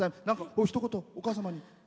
何かおひと言、お母様に。